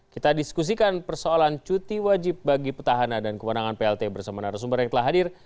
kita diskusikan persoalan cuti wajib bagi petahana dan kewenangan plt bersama narasumber yang telah hadir